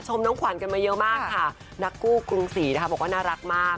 น้องขวัญกันมาเยอะมากค่ะนักกู้กรุงศรีนะคะบอกว่าน่ารักมาก